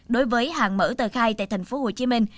đối với hàng mở tờ khai tại thành phố hồ chí minh